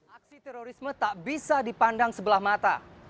aksi terorisme tak bisa dipandang sebelah mata